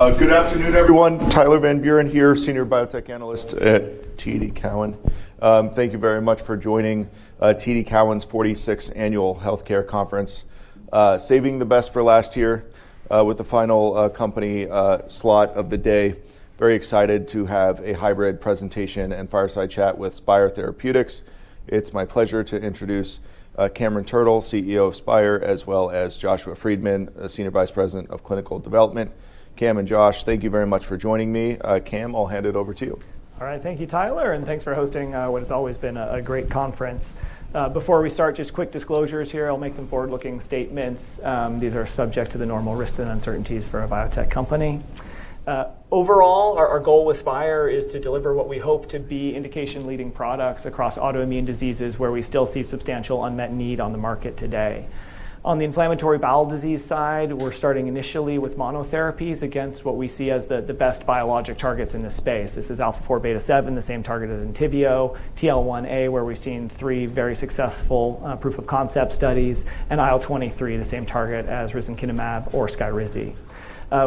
Good afternoon, everyone. Tyler Van Buren here, Senior Biotech Analyst at TD Cowen. Thank you very much for joining TD Cowen's 46th Annual Healthcare Conference. Saving the best for last year, with the final company slot of the day, very excited to have a hybrid presentation and fireside chat with Spyre Therapeutics. It's my pleasure to introduce Cameron Turtle, CEO of Spyre, as well as Joshua Friedman, Senior Vice President of Clinical Development. Cam and Josh, thank you very much for joining me. Cam, I'll hand it over to you. All right. Thank you, Tyler, and thanks for hosting what has always been a great conference. Before we start, just quick disclosures here. I'll make some forward-looking statements. These are subject to the normal risks and uncertainties for a biotech company. Overall, our goal with Spyre is to deliver what we hope to be indication-leading products across autoimmune diseases where we still see substantial unmet need on the market today. On the inflammatory bowel disease side, we're starting initially with monotherapies against what we see as the best biologic targets in this space. This is alpha-4 beta-7, the same target as Entyvio, TL1A, where we've seen three very successful proof-of-concept studies, and IL-23, the same target as risankizumab or Skyrizi.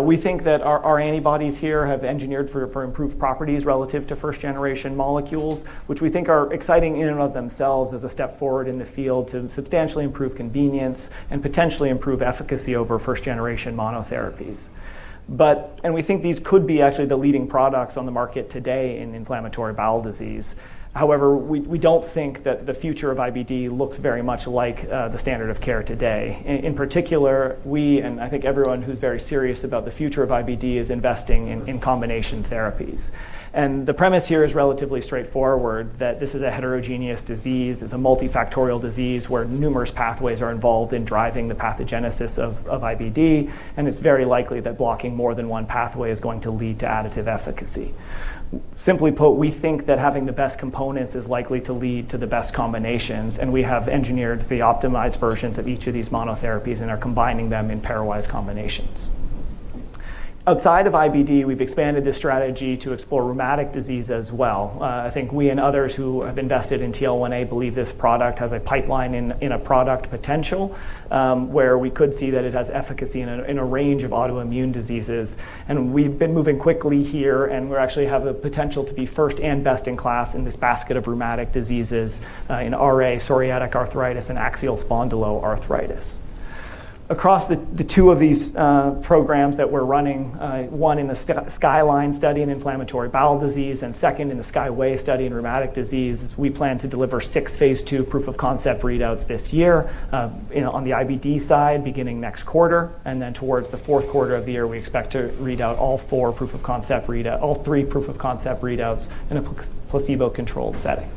We think that our antibodies here have engineered for improved properties relative to first-generation molecules, which we think are exciting in and of themselves as a step forward in the field to substantially improve convenience and potentially improve efficacy over first-generation monotherapies. We think these could be actually the leading products on the market today in inflammatory bowel disease. However, we don't think that the future of IBD looks very much like the standard of care today. In particular, we, and I think everyone who's very serious about the future of IBD, is investing in combination therapies. The premise here is relatively straightforward that this is a heterogeneous disease. It's a multifactorial disease where numerous pathways are involved in driving the pathogenesis of IBD. It's very likely that blocking more than one pathway is going to lead to additive efficacy. Simply put, we think that having the best components is likely to lead to the best combinations. We have engineered the optimized versions of each of these monotherapies and are combining them in pairwise combinations. Outside of IBD, we've expanded this strategy to explore rheumatic disease as well. I think we and others who have invested in TL1A believe this product has a pipeline in a product potential, where we could see that it has efficacy in a range of autoimmune diseases. We've been moving quickly here, and we actually have the potential to be first and best in class in this basket of rheumatic diseases, in RA, psoriatic arthritis, and axial spondyloarthritis. Across the two of these programs that we're running, one in the SKYLINE study in inflammatory bowel disease and two in the SKYWAY study in rheumatic disease, we plan to deliver six phase II proof-of-concept readouts this year, you know, on the IBD side beginning next quarter, towards the fourth quarter of the year, we expect to read out all three proof-of-concept readouts in a placebo-controlled setting.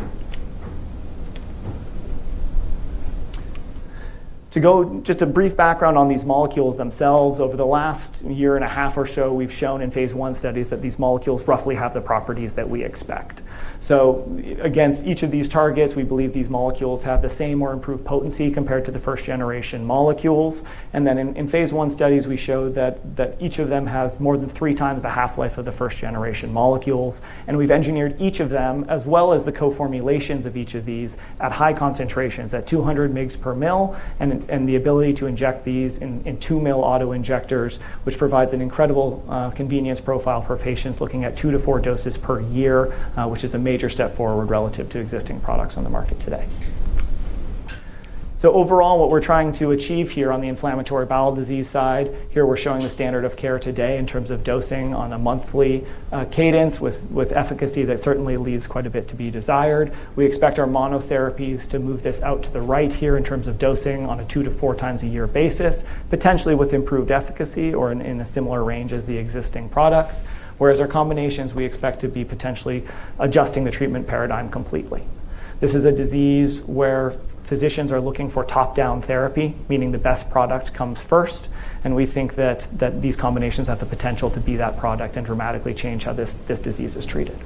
Just a brief background on these molecules themselves. Over the last one and a half years or so, we've shown in phase I studies that these molecules roughly have the properties that we expect. Against each of these targets, we believe these molecules have the same or improved potency compared to the first-generation molecules. Then in phase I studies, we show that each of them has more than 3x the half-life of the first-generation molecules. We've engineered each of them, as well as the co-formulations of each of these, at high concentrations, at 200 mgs per mil, and the ability to inject these in 2-mil auto-injectors, which provides an incredible convenience profile for patients looking at two to four doses per year, which is a major step forward relative to existing products on the market today. Overall, what we're trying to achieve here on the inflammatory bowel disease side, here we're showing the standard of care today in terms of dosing on a monthly cadence with efficacy that certainly leaves quite a bit to be desired. We expect our monotherapies to move this out to the right here in terms of dosing on a two to four times a year basis, potentially with improved efficacy or in a similar range as the existing products. Whereas our combinations, we expect to be potentially adjusting the treatment paradigm completely. This is a disease where physicians are looking for top-down therapy, meaning the best product comes first. We think that these combinations have the potential to be that product and dramatically change how this disease is treated.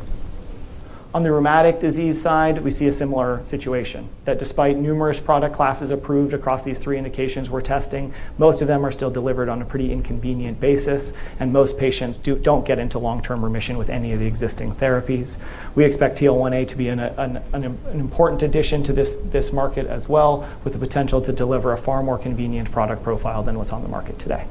On the rheumatic disease side, we see a similar situation, that despite numerous product classes approved across these three indications we're testing, most of them are still delivered on a pretty inconvenient basis, and most patients don't get into long-term remission with any of the existing therapies. We expect TL1A to be an important addition to this market as well, with the potential to deliver a far more convenient product profile than what's on the market today.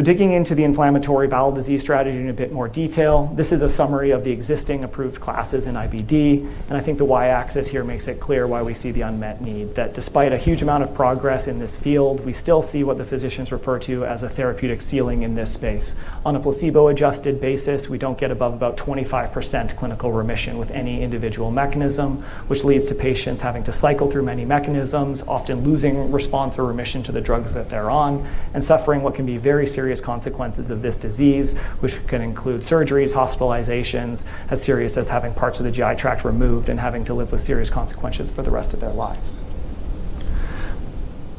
Digging into the inflammatory bowel disease strategy in a bit more detail, this is a summary of the existing approved classes in IBD, I think the y-axis here makes it clear why we see the unmet need, that despite a huge amount of progress in this field, we still see what the physicians refer to as a therapeutic ceiling in this space. On a placebo-adjusted basis, we don't get above about 25% clinical remission with any individual mechanism, which leads to patients having to cycle through many mechanisms, often losing response or remission to the drugs that they're on and suffering what can be very serious consequences of this disease, which can include surgeries, hospitalizations, as serious as having parts of the GI tract removed and having to live with serious consequences for the rest of their lives.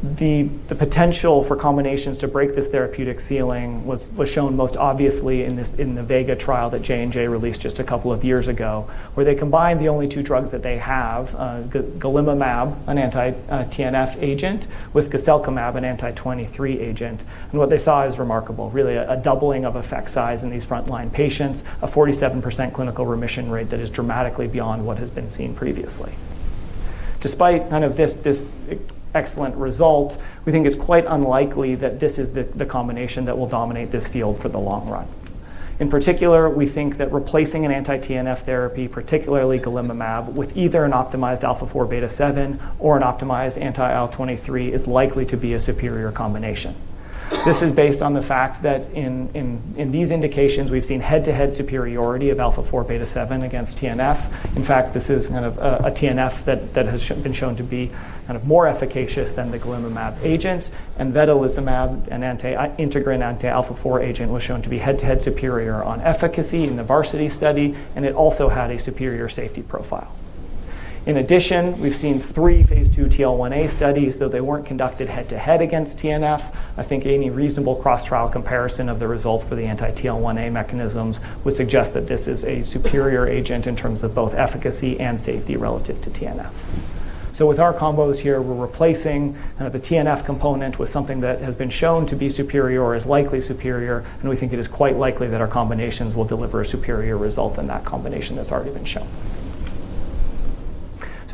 The potential for combinations to break this therapeutic ceiling was shown most obviously in the VEGA trial that J&J released just a couple of years ago, where they combined the only two drugs that they have, golimumab, an anti-TNF agent, with guselkumab, an anti-23 agent. What they saw is remarkable, really a doubling of effect size in these front-line patients, a 47% clinical remission rate that is dramatically beyond what has been seen previously. Despite kind of this excellent result, we think it's quite unlikely that this is the combination that will dominate this field for the long run. We think that replacing an anti-TNF therapy, particularly golimumab, with either an optimized alpha-4 beta-7 or an optimized anti-IL-23 is likely to be a superior combination. This is based on the fact that in these indications, we've seen head-to-head superiority of alpha-4 beta-7 against TNF. This is kind of a TNF that has been shown to be kind of more efficacious than the golimumab agent. Vedolizumab, an anti-integrin anti-alpha-4 agent, was shown to be head-to-head superior on efficacy in the VARSITY study, and it also had a superior safety profile. In addition, we've seen three phase 2 TL1A studies, though they weren't conducted head-to-head against TNF. I think any reasonable cross-trial comparison of the results for the anti-TL1A mechanisms would suggest that this is a superior agent in terms of both efficacy and safety relative to TNF. With our combos here, we're replacing kind of the TNF component with something that has been shown to be superior or is likely superior, and we think it is quite likely that our combinations will deliver a superior result than that combination that's already been shown.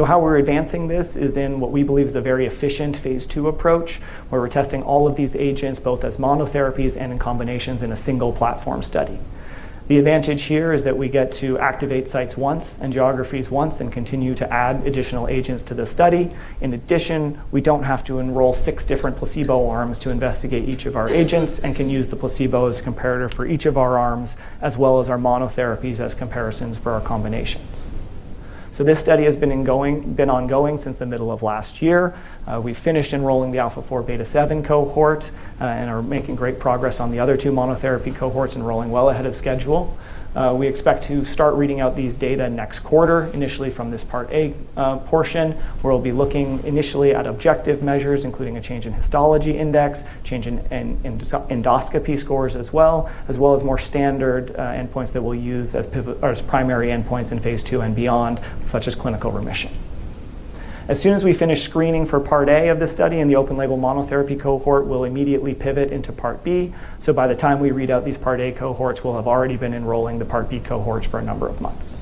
How we're advancing this is in what we believe is a very efficient phase II approach, where we're testing all of these agents, both as monotherapies and in combinations in a single platform study. The advantage here is that we get to activate sites once and geographies once and continue to add additional agents to the study. In addition, we don't have to enroll six different placebo arms to investigate each of our agents and can use the placebo as a comparator for each of our arms, as well as our monotherapies as comparisons for our combinations. This study has been ongoing since the middle of last year. We finished enrolling the alpha-4 beta-7 cohort, and are making great progress on the other two monotherapy cohorts, enrolling well ahead of schedule. We expect to start reading out these data next quarter, initially from this Part A portion, where we'll be looking initially at objective measures, including a change in histology index, change in endoscopy scores as well, as well as more standard endpoints that we'll use as primary endpoints in phase II and beyond, such as clinical remission. As soon as we finish screening for Part A of this study and the open label monotherapy cohort, we'll immediately pivot into Part B, so by the time we read out these Part A cohorts, we'll have already been enrolling the Part B cohorts for a number of months.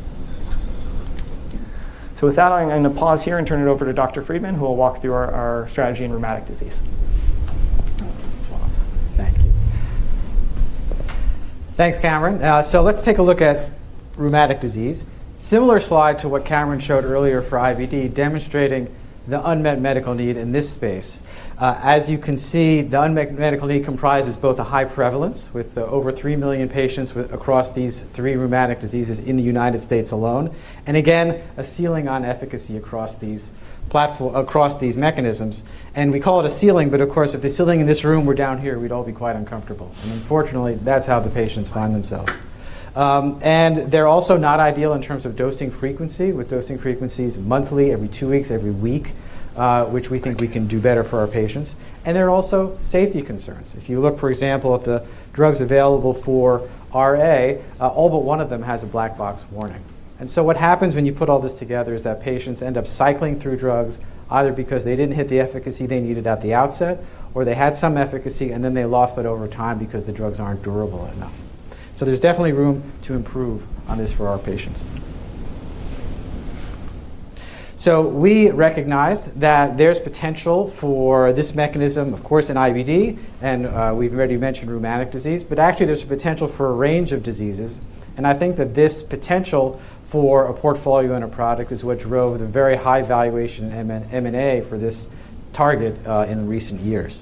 With that, I'm going to pause here and turn it over to Dr. Friedman, who will walk through our strategy in rheumatic disease. I'll just swap. Thank you. Thanks, Cameron. Let's take a look at rheumatic disease. Similar slide to what Cameron showed earlier for IBD, demonstrating the unmet medical need in this space. As you can see, the unmet medical need comprises both a high prevalence, with over 3 million patients across these 3 rheumatic diseases in the United States alone, and again, a ceiling on efficacy across these mechanisms. We call it a ceiling, but of course, if the ceiling in this room were down here, we'd all be quite uncomfortable. Unfortunately, that's how the patients find themselves. They're also not ideal in terms of dosing frequency, with dosing frequencies monthly, every two weeks, every week, which we think we can do better for our patients. There are also safety concerns. If you look, for example, at the drugs available for RA, all but one of them has a black box warning. What happens when you put all this together is that patients end up cycling through drugs, either because they didn't hit the efficacy they needed at the outset, or they had some efficacy, and then they lost it over time because the drugs aren't durable enough. There's definitely room to improve on this for our patients. We recognized that there's potential for this mechanism, of course, in IBD, and we've already mentioned rheumatic disease, but actually, there's potential for a range of diseases, and I think that this potential for a portfolio and a product is what drove the very high valuation M&A for this target in recent years.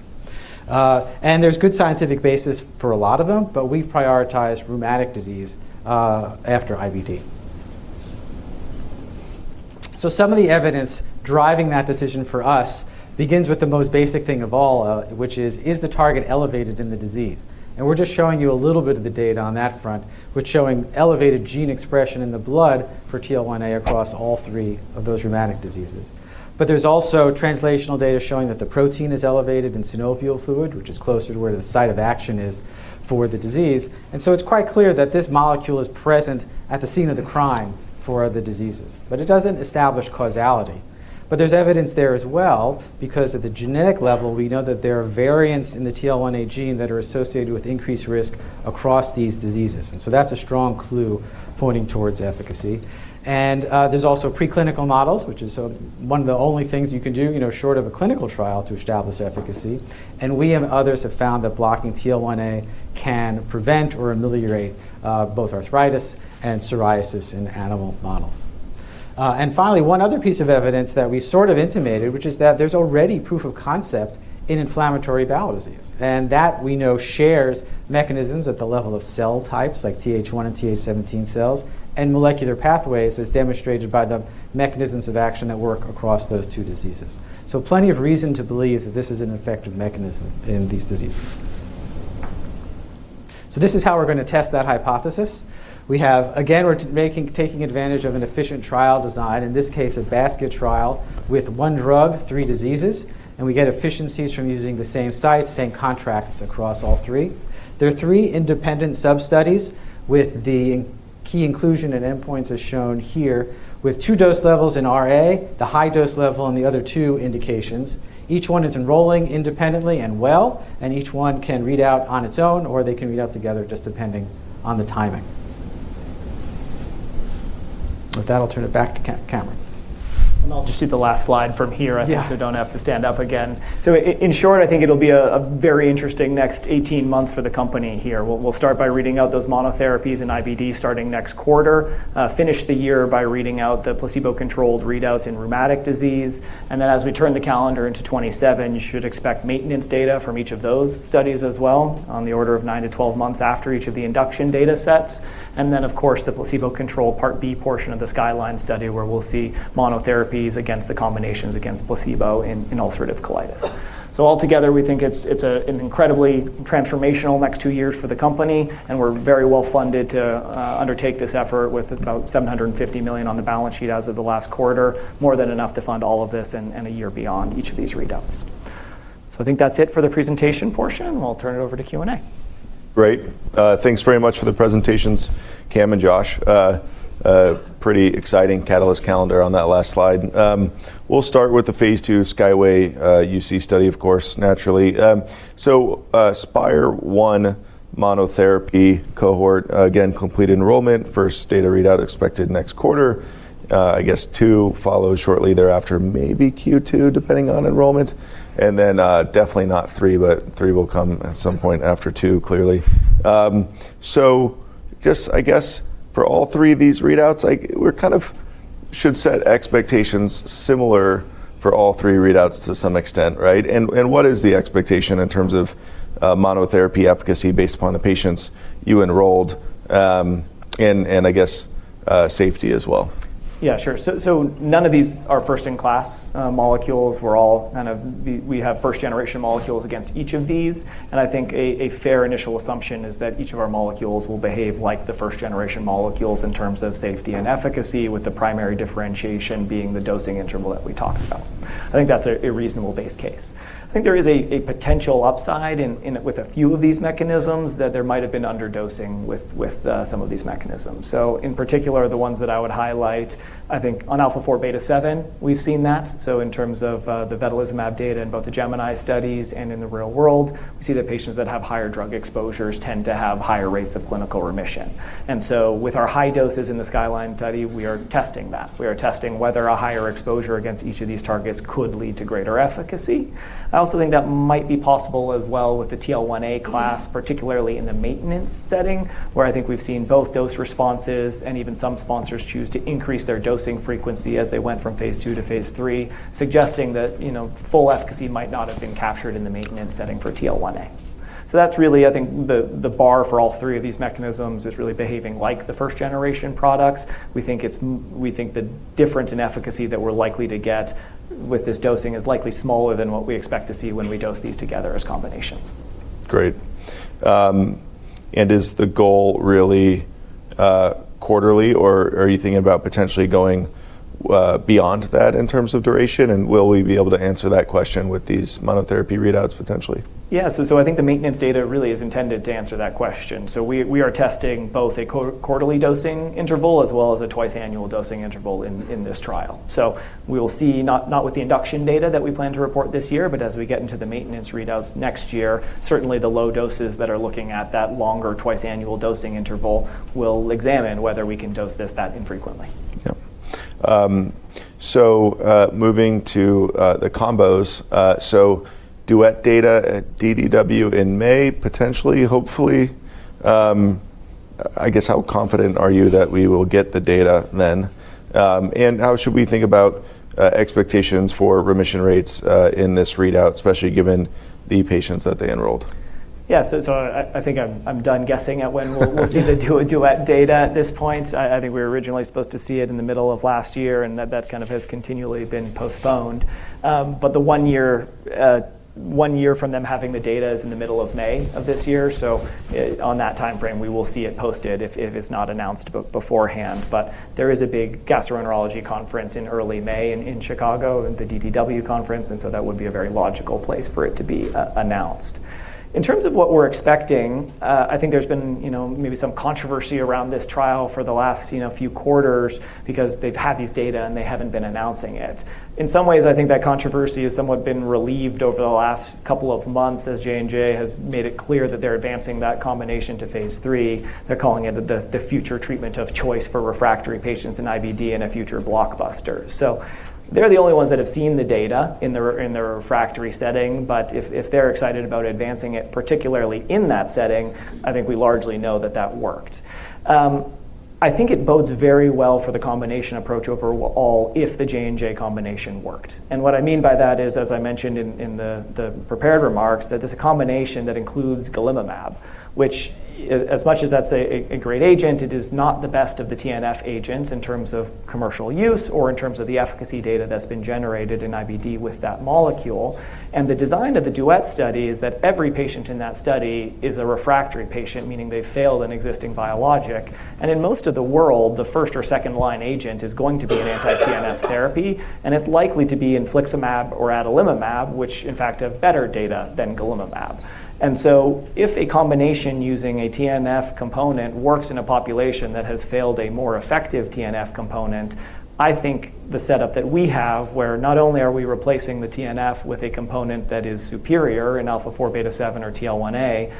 There's good scientific basis for a lot of them, but we've prioritized rheumatic disease after IBD. Some of the evidence driving that decision for us begins with the most basic thing of all, which is the target elevated in the disease? We're just showing you a little bit of the data on that front. We're showing elevated gene expression in the blood for TL1A across all three of those rheumatic diseases. There's also translational data showing that the protein is elevated in synovial fluid, which is closer to where the site of action is for the disease. It's quite clear that this molecule is present at the scene of the crime for the diseases, but it doesn't establish causality. There's evidence there as well, because at the genetic level, we know that there are variants in the TL1A gene that are associated with increased risk across these diseases. That's a strong clue pointing towards efficacy. There's also preclinical models, which is one of the only things you can do, you know, short of a clinical trial to establish efficacy. We and others have found that blocking TL1A can prevent or ameliorate both arthritis and psoriasis in animal models. Finally, one other piece of evidence that we sort of intimated, which is that there's already proof of concept in inflammatory bowel disease, and that we know shares mechanisms at the level of cell types like TH1 and TH17 cells and molecular pathways as demonstrated by the mechanisms of action that work across those two diseases. Plenty of reason to believe that this is an effective mechanism in these diseases. This is how we're going to test that hypothesis. We have, again, taking advantage of an efficient trial design, in this case, a basket trial with one drug, three diseases, and we get efficiencies from using the same sites, same contracts across all three. There are three independent sub-studies with the key inclusion and endpoints as shown here, with two dose levels in RA, the high dose level, and the other two indications. Each one is enrolling independently and well, and each one can read out on its own, or they can read out together just depending on the timing. With that, I'll turn it back to Cameron. I'll just do the last slide from here, I think, so I don't have to stand up again. In short, I think it'll be a very interesting next 18 months for the company here. We'll start by reading out those monotherapies in IBD starting next quarter. Finish the year by reading out the placebo-controlled readouts in rheumatic disease. As we turn the calendar into 2027, you should expect maintenance data from each of those studies as well, on the order of nine to 12 months after each of the induction data sets. Of course, the placebo-controlled Part B portion of the SKYLINE study, where we'll see monotherapies against the combinations against placebo in ulcerative colitis. Altogether, we think it's an incredibly transformational next two years for the company, and we're very well-funded to undertake this effort with about $750 million on the balance sheet as of the last quarter, more than enough to fund all of this and a year beyond each of these readouts. I think that's it for the presentation portion, and I'll turn it over to Q&A. Great. Thanks very much for the presentations, Cam and Josh. Pretty exciting catalyst calendar on that last slide. We'll start with the Phase II SKYWAY UC study, of course, naturally. Spyre one monotherapy cohort, again, complete enrollment, first data readout expected next quarter. I guess two follows shortly thereafter, maybe Q2, depending on enrollment. Definitely not three, but three will come at some point after two, clearly. Just I guess for all three of these readouts, like should set expectations similar for all three readouts to some extent, right? What is the expectation in terms of monotherapy efficacy based upon the patients you enrolled, I guess, safety as well? Yeah, sure. None of these are first-in-class molecules. We have first generation molecules against each of these. I think a fair initial assumption is that each of our molecules will behave like the first generation molecules in terms of safety and efficacy, with the primary differentiation being the dosing interval that we talked about. I think that's a reasonable base case. I think there is a potential upside with a few of these mechanisms that there might have been underdosing with some of these mechanisms. In particular, the ones that I would highlight, I think on alpha-4 beta-7, we've seen that. In terms of the vedolizumab data in both the GEMINI studies and in the real world, we see that patients that have higher drug exposures tend to have higher rates of clinical remission. With our high doses in the SKYLINE study, we are testing that. We are testing whether a higher exposure against each of these targets could lead to greater efficacy. I also think that might be possible as well with the TL1A class, particularly in the maintenance setting, where I think we've seen both dose responses and even some sponsors choose to increase their dosing frequency as they went from Phase II to Phase III, suggesting that, you know, full efficacy might not have been captured in the maintenance setting for TL1A. That's really, I think, the bar for all three of these mechanisms is really behaving like the first generation products. We think the difference in efficacy that we're likely to get with this dosing is likely smaller than what we expect to see when we dose these together as combinations. Great. Is the goal really quarterly, or are you thinking about potentially going beyond that in terms of duration? Will we be able to answer that question with these monotherapy readouts, potentially? Yeah. I think the maintenance data really is intended to answer that question. We are testing both a quarterly dosing interval as well as a twice annual dosing interval in this trial. We will see, not with the induction data that we plan to report this year, but as we get into the maintenance readouts next year, certainly the low doses that are looking at that longer twice annual dosing interval will examine whether we can dose this that infrequently. Yep. Moving to the combos. DUET data at DDW in May, potentially, hopefully. I guess how confident are you that we will get the data then? How should we think about expectations for remission rates in this readout, especially given the patients that they enrolled? Yeah. I think I'm done guessing at when we'll see the DUET data at this point. I think we were originally supposed to see it in the middle of last year, and that kind of has continually been postponed. The 1 year from them having the data is in the middle of May of this year. On that timeframe, we will see it posted if it's not announced beforehand. There is a big gastroenterology conference in early May in Chicago, the DDW conference, that would be a very logical place for it to be announced. In terms of what we're expecting, I think there's been, you know, maybe some controversy around this trial for the last, you know, few quarters because they've had these data and they haven't been announcing it. In some ways, I think that controversy has somewhat been relieved over the last couple of months as J&J has made it clear that they're advancing that combination to phase III. They're calling it the future treatment of choice for refractory patients in IBD and a future blockbuster. They're the only ones that have seen the data in the refractory setting. If they're excited about advancing it, particularly in that setting, I think we largely know that that worked. I think it bodes very well for the combination approach over all if the J&J combination worked. What I mean by that is, as I mentioned in the prepared remarks, that this combination that includes golimumab, which as much as that's a great agent, it is not the best of the TNF agents in terms of commercial use or in terms of the efficacy data that's been generated in IBD with that molecule. The design of the DUET study is that every patient in that study is a refractory patient, meaning they've failed an existing biologic. In most of the world, the first or second line agent is going to be an anti-TNF therapy, and it's likely to be infliximab or adalimumab, which in fact have better data than golimumab. If a combination using a TNF component works in a population that has failed a more effective TNF component, I think the setup that we have, where not only are we replacing the TNF with a component that is superior in alpha-4 beta-7 or TL1A,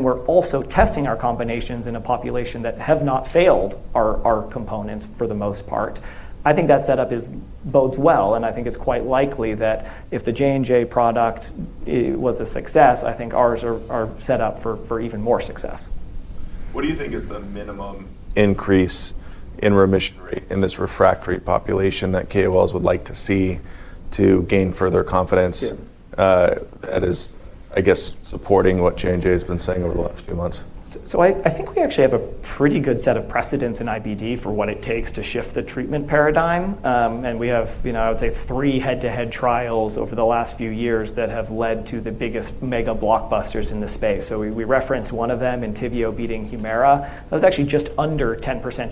we're also testing our combinations in a population that have not failed our components for the most part. I think that setup is bodes well. I think it's quite likely that if the J&J product was a success, I think ours are set up for even more success. What do you think is the minimum increase in remission rate in this refractory population that KOLs would like to see to gain further confidence? Yeah. That is, I guess, supporting what J&J has been saying over the last few months. I think we actually have a pretty good set of precedents in IBD for what it takes to shift the treatment paradigm. We have, you know, I would say three head-to-head trials over the last few years that have led to the biggest mega blockbusters in the space. We referenced one of them, Entyvio beating Humira. That was actually just under 10%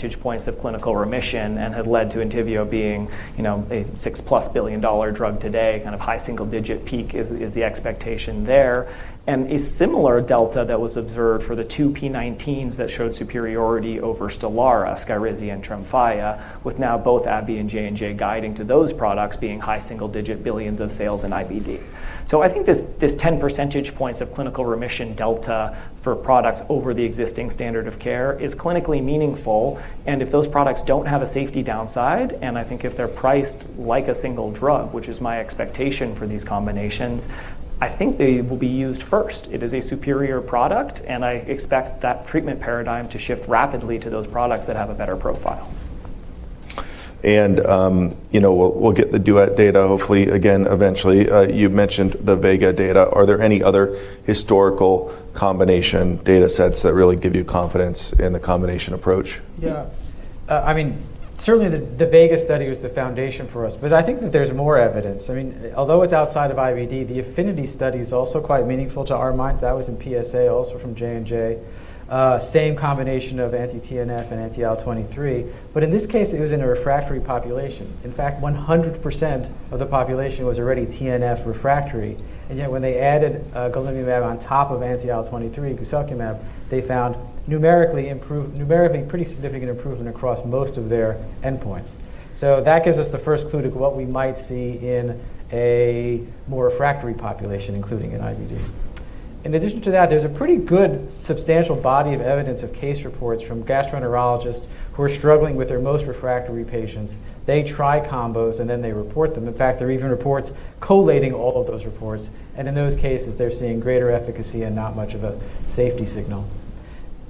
of clinical remission and had led to Entyvio being, you know, a +$6 billion drug today, kind of high single digit peak is the expectation there. A similar delta that was observed for the 2 P-19s that showed superiority over Stelara, Skyrizi and Tremfya, with now both AbbVie and J&J guiding to those products being high single digit billions of sales in IBD. I think this 10% of clinical remission delta for products over the existing standard of care is clinically meaningful, and if those products don't have a safety downside, and I think if they're priced like a single drug, which is my expectation for these combinations, I think they will be used first. It is a superior product, and I expect that treatment paradigm to shift rapidly to those products that have a better profile. You know, we'll get the DUET data hopefully again eventually. You've mentioned the VEGA data. Are there any other historical combination data sets that really give you confidence in the combination approach? I mean, certainly the VEGA study was the foundation for us. I think that there's more evidence. I mean, although it's outside of IBD, the AFFINITY study is also quite meaningful to our minds. That was in PSA, also from J&J. Same combination of anti-TNF and anti-IL-23. In this case, it was in a refractory population. In fact, 100% of the population was already TNF refractory, yet when they added golimumab on top of anti-IL-23, guselkumab, they found numerically pretty significant improvement across most of their endpoints. That gives us the first clue to what we might see in a more refractory population, including in IBD. In addition to that, there's a pretty good substantial body of evidence of case reports from gastroenterologists who are struggling with their most refractory patients. They try combos, and then they report them. In fact, there are even reports collating all of those reports, and in those cases, they're seeing greater efficacy and not much of a safety signal.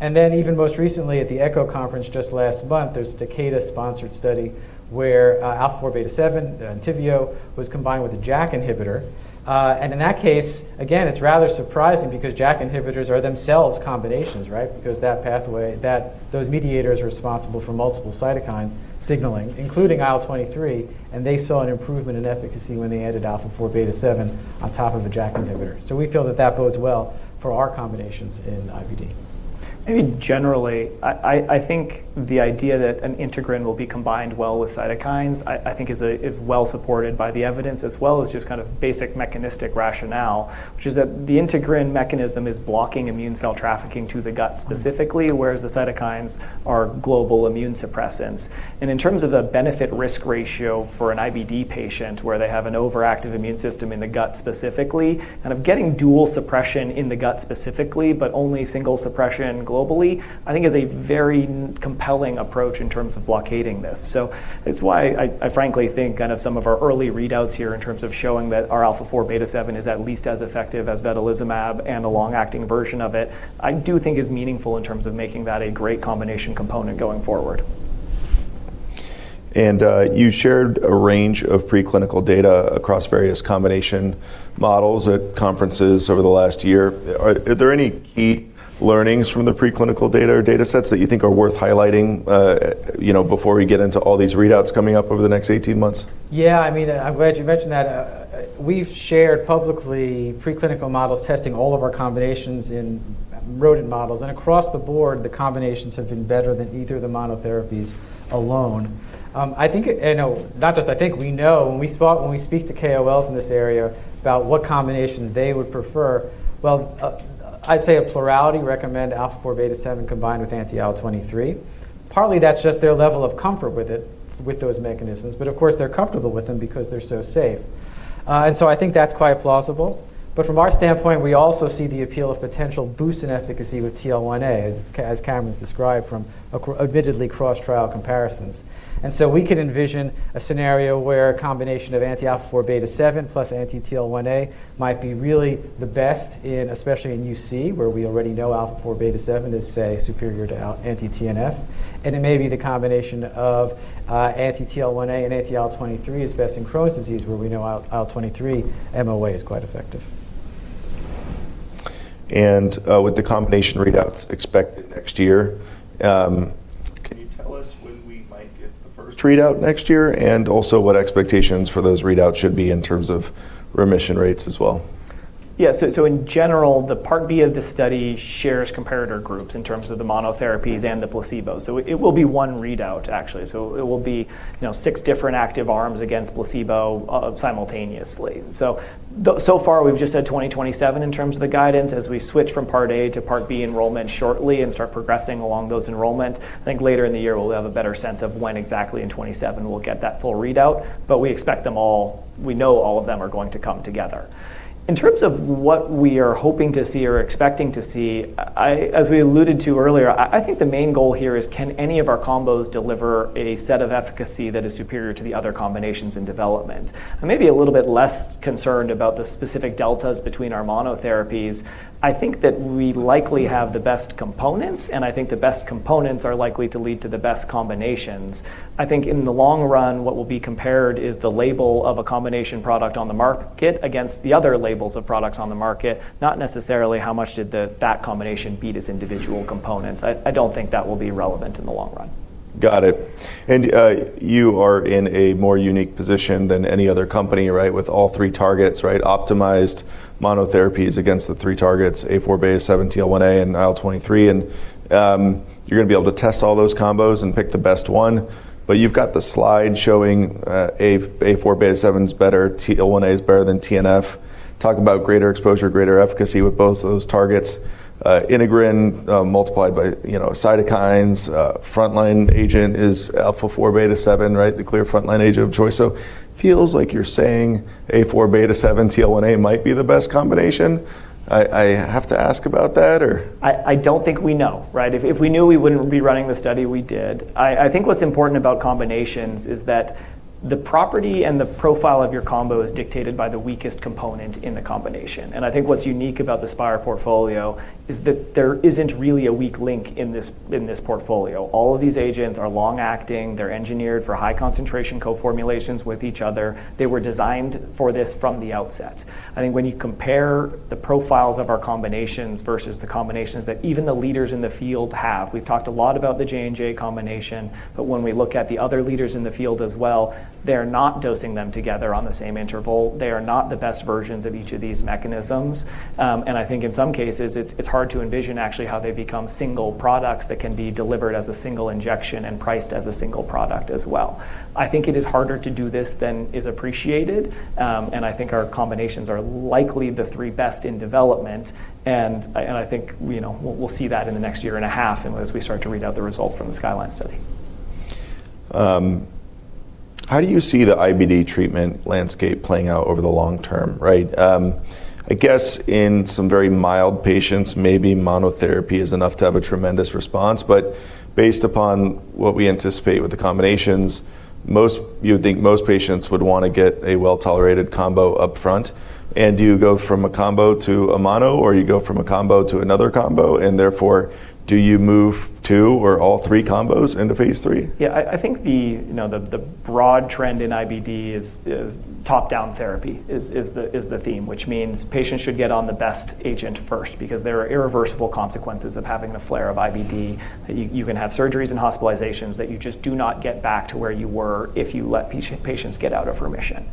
Even most recently at the ECCO conference just last month, there's a Takeda-sponsored study where alpha-4 beta-7, Entyvio, was combined with a JAK inhibitor. In that case, again, it's rather surprising because JAK inhibitors are themselves combinations, right? Because that pathway, those mediators are responsible for multiple cytokine signaling, including IL-23, and they saw an improvement in efficacy when they added alpha-4 beta-7 on top of a JAK inhibitor. We feel that that bodes well for our combinations in IBD. Maybe generally, I think the idea that an integrin will be combined well with cytokines, I think is well-supported by the evidence, as well as just kind of basic mechanistic rationale, which is that the integrin mechanism is blocking immune cell trafficking to the gut specifically, whereas the cytokines are global immune suppressants. In terms of the benefit-risk ratio for an IBD patient, where they have an overactive immune system in the gut specifically, kind of getting dual suppression in the gut specifically, but only single suppression globally, I think is a very compelling approach in terms of blockading this. That's why I frankly think kind of some of our early readouts here in terms of showing that our alpha-4 beta-7 is at least as effective as vedolizumab and the long-acting version of it, I do think is meaningful in terms of making that a great combination component going forward. You shared a range of preclinical data across various combination models at conferences over the last year. Are there any key learnings from the preclinical data or data sets that you think are worth highlighting, you know, before we get into all these readouts coming up over the next 18 months? I mean, I'm glad you mentioned that. We've shared publicly preclinical models testing all of our combinations in rodent models. Across the board, the combinations have been better than either of the monotherapies alone. I know, not just I think, we know when we speak to KOLs in this area about what combinations they would prefer, well, I'd say a plurality recommend alpha-4 beta-7 combined with anti-IL-23. Partly, that's just their level of comfort with it, with those mechanisms, but of course, they're comfortable with them because they're so safe. So I think that's quite plausible. From our standpoint, we also see the appeal of potential boost in efficacy with TL1A, as Cameron's described from admittedly cross-trial comparisons. We could envision a scenario where a combination of anti-alpha-4 beta-7 plus anti-TL1A might be really the best in, especially in UC, where we already know alpha-4 beta-7 is, say, superior to anti-TNF. It may be the combination of anti-TL1A and anti-IL-23 is best in Crohn's disease, where we know IL-23 MoA is quite effective. With the combination readouts expected next year, can you tell us when we might get the first readout next year? Also, what expectations for those readouts should be in terms of remission rates as well? In general, the part B of the study shares comparator groups in terms of the monotherapies and the placebo. It will be one readout actually. It will be, you know, six different active arms against placebo simultaneously. So far, we've just said 2027 in terms of the guidance. As we switch from part A to part B enrollment shortly and start progressing along those enrollment, I think later in the year, we'll have a better sense of when exactly in 2027 we'll get that full readout. We know all of them are going to come together. In terms of what we are hoping to see or expecting to see, as we alluded to earlier, I think the main goal here is can any of our combos deliver a set of efficacy that is superior to the other combinations in development? I may be a little bit less concerned about the specific deltas between our monotherapies. I think that we likely have the best components, and I think the best components are likely to lead to the best combinations. I think in the long run, what will be compared is the label of a combination product on the market against the other labels of products on the market, not necessarily how much did that combination beat its individual components. I don't think that will be relevant in the long run. Got it. You are in a more unique position than any other company, right? With all three targets, right? Optimized monotherapies against the three targets, A4, beta-7, TL1A, and IL-23. You're going to be able to test all those combos and pick the best one. You've got the slide showing, A4, beta-7's better, TL1A's better than TNF. Talk about greater exposure, greater efficacy with both of those targets. integrin, multiplied by, you know, cytokines, frontline agent is alpha-4 beta-7, right? The clear frontline agent of choice. Feels like you're saying A4, beta-7, TL1A might be the best combination. I have to ask about that. I don't think we know, right? If we knew, we wouldn't be running the study we did. I think what's important about combinations is that the property and the profile of your combo is dictated by the weakest component in the combination. I think what's unique about the Spyre portfolio is that there isn't really a weak link in this portfolio. All of these agents are long-acting. They're engineered for high concentration co-formulations with each other. They were designed for this from the outset. I think when you compare the profiles of our combinations versus the combinations that even the leaders in the field have, we've talked a lot about the J&J combination. When we look at the other leaders in the field as well, they're not dosing them together on the same interval. They are not the best versions of each of these mechanisms. I think in some cases, it's hard to envision actually how they become single products that can be delivered as a single injection and priced as a single product as well. I think it is harder to do this than is appreciated, and I think our combinations are likely the three best in development. I think, you know, we'll see that in the next year and a half and as we start to read out the results from the SKYLINE study. How do you see the IBD treatment landscape playing out over the long term, right? I guess in some very mild patients, maybe monotherapy is enough to have a tremendous response. Based upon what we anticipate with the combinations, you would think most patients would want to get a well-tolerated combo up front. Do you go from a combo to a mono, or you go from a combo to another combo, and therefore, do you move two or all three combos into phase three? I think the, you know, the broad trend in IBD is top-down therapy is the theme, which means patients should get on the best agent first because there are irreversible consequences of having a flare of IBD, that you can have surgeries and hospitalizations that you just do not get back to where you were if you let patients get out of remission.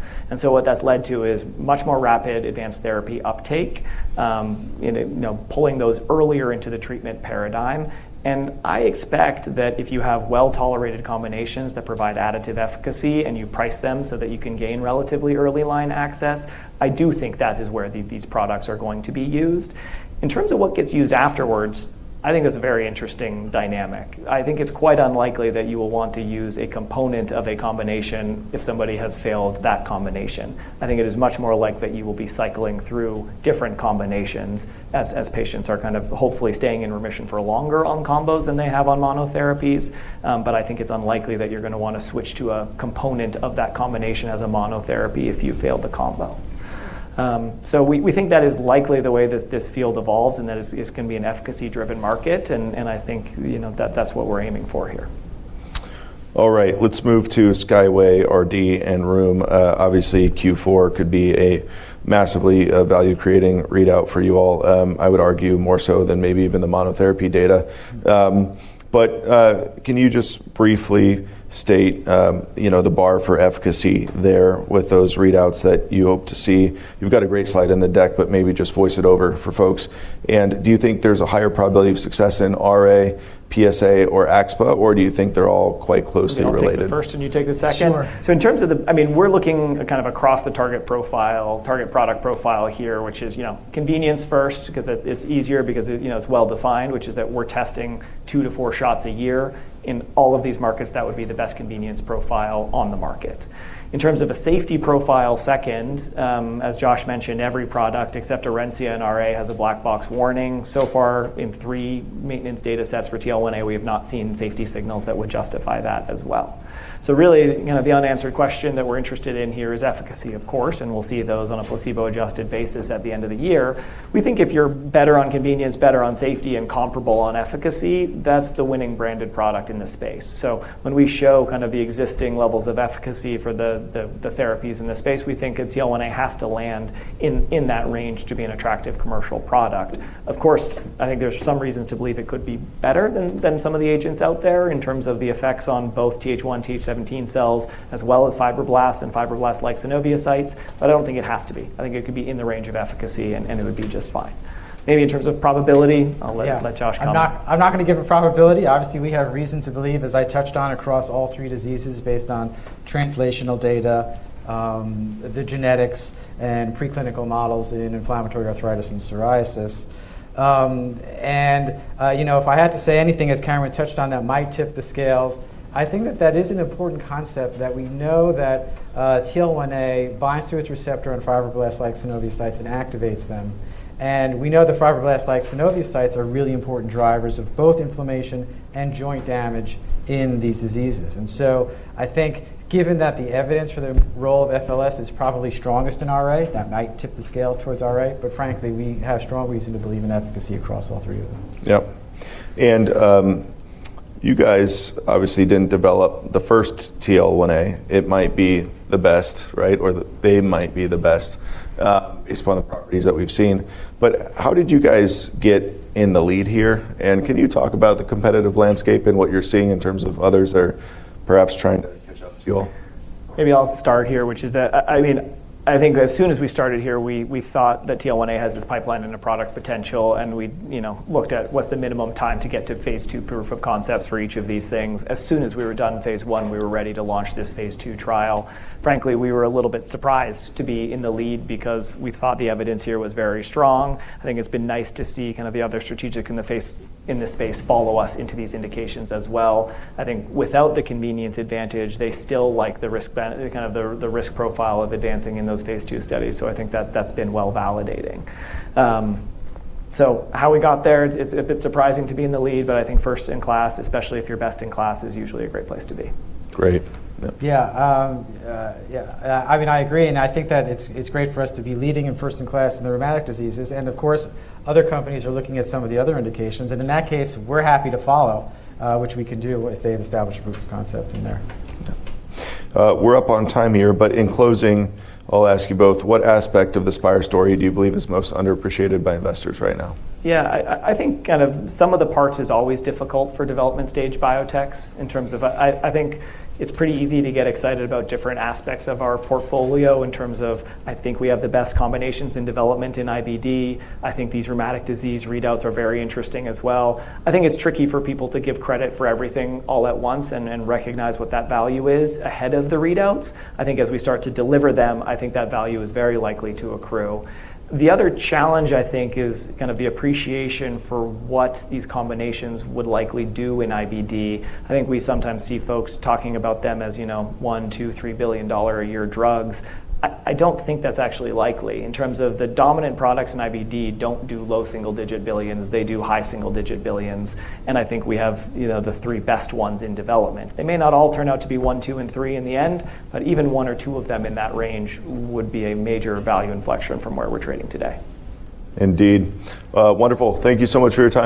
What that's led to is much more rapid advanced therapy uptake, you know, pulling those earlier into the treatment paradigm. I expect that if you have well-tolerated combinations that provide additive efficacy, and you price them so that you can gain relatively early line access, I do think that is where these products are going to be used. In terms of what gets used afterwards, I think that's a very interesting dynamic. I think it's quite unlikely that you will want to use a component of a combination if somebody has failed that combination. I think it is much more like that you will be cycling through different combinations as patients are kind of hopefully staying in remission for longer on combos than they have on monotherapies. But I think it's unlikely that you're going to want to switch to a component of that combination as a monotherapy if you failed the combo. So we think that is likely the way this field evolves, and that is going to be an efficacy-driven market. I think, you know, that that's what we're aiming for here. All right, let's move to SKYWAY, RD, and REUM. Obviously, Q4 could be a massively, value-creating readout for you all, I would argue more so than maybe even the monotherapy data. Can you just briefly state, you know, the bar for efficacy there with those readouts that you hope to see? You've got a great slide in the deck, but maybe just voice it over for folks. Do you think there's a higher probability of success in RA, PSA, or axSpA, or do you think they're all quite closely related? I'll take the first, and you take the second. Sure. I mean, we're looking kind of across the target profile, target product profile here, which is, you know, convenience first because it's easier because it, you know, it's well-defined, which is that we're testing two to four shots a year. In all of these markets, that would be the best convenience profile on the market. In terms of a safety profile second, as Josh mentioned, every product except Orencia and RA has a black box warning. So far, in three maintenance datasets for TL1A, we have not seen safety signals that would justify that as well. Really, you know, the unanswered question that we're interested in here is efficacy, of course, and we'll see those on a placebo-adjusted basis at the end of the year. We think if you're better on convenience, better on safety, and comparable on efficacy, that's the winning branded product in this space. When we show kind of the existing levels of efficacy for the therapies in this space, we think it's TL1A has to land in that range to be an attractive commercial product. Of course, I think there's some reasons to believe it could be better than some of the agents out there in terms of the effects on both TH1 and TH17 cells as well as fibroblasts and fibroblast-like synoviocytes, but I don't think it has to be. I think it could be in the range of efficacy and it would be just fine. Maybe in terms of probability. Yeah. Let Josh comment. I'm not going to give a probability. Obviously, we have reason to believe, as I touched on across all three diseases based on translational data, the genetics, and preclinical models in inflammatory arthritis and psoriasis. You know, if I had to say anything, as Cameron touched on, that might tip the scales, I think that that is an important concept that we know that TL1A binds to its receptor in fibroblast-like synoviocytes and activates them. We know the fibroblast-like synoviocytes are really important drivers of both inflammation and joint damage in these diseases. I think given that the evidence for the role of FLS is probably strongest in RA, that might tip the scale towards RA, but frankly, we have strong reason to believe in efficacy across all three of them. Yep. You guys obviously didn't develop the first TL1A. It might be the best, right? They might be the best based upon the properties that we've seen. How did you guys get in the lead here? Can you talk about the competitive landscape and what you're seeing in terms of others that are perhaps trying to catch up to you all? Maybe I'll start here, which is that I mean, I think as soon as we started here, we thought that TL1A has this pipeline and a product potential, and we, you know, looked at what's the minimum time to get to phase two proof of concepts for each of these things. As soon as we were done with phase one, we were ready to launch this phase two trial. Frankly, we were a little bit surprised to be in the lead because we thought the evidence here was very strong. I think it's been nice to see kind of the other strategic in this space follow us into these indications as well. I think without the convenience advantage, they still like the risk profile of advancing in those phase two studies. I think that that's been well validating. How we got there, it's a bit surprising to be in the lead, but I think first in class, especially if you're best in class, is usually a great place to be. Great. Yeah. I mean, I agree, and I think that it's great for us to be leading in first in class in the rheumatic diseases. Of course, other companies are looking at some of the other indications. In that case, we're happy to follow, which we can do if they've established proof of concept in there. We're up on time here, but in closing, I'll ask you both what aspect of the Spyre story do you believe is most underappreciated by investors right now? I think kind of sum of the parts is always difficult for development stage biotechs in terms of. I think it's pretty easy to get excited about different aspects of our portfolio in terms of, I think we have the best combinations in development in IBD. I think these rheumatic disease readouts are very interesting as well. I think it's tricky for people to give credit for everything all at once and recognize what that value is ahead of the readouts. I think as we start to deliver them, I think that value is very likely to accrue. The other challenge, I think, is going to be appreciation for what these combinations would likely do in IBD. I think we sometimes see folks talking about them as, you know, $1 billion, $2 billion, $3 billion a year drugs. I don't think that's actually likely. In terms of the dominant products in IBD don't do low single digit billions. They do high single digit billions, and I think we have, you know, the three best ones in development. They may not all turn out to be one, two, and three in the end, but even one or two of them in that range would be a major value inflection from where we're trading today. Indeed. Wonderful. Thank you so much for your time today.